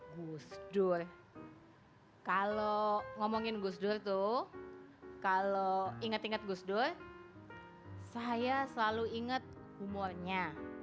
gus dur kalau ngomongin gus dur tuh kalau ingat ingat gus dur saya selalu ingat humornya